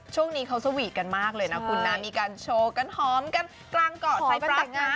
ช่วงนี้เขาสวีทกันมากเลยนะคุณนะมีการโชว์กันหอมกันกลางเกาะไซปรักงาม